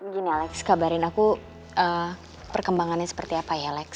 gini alex kabarin aku eee perkembangannya seperti apa ya lex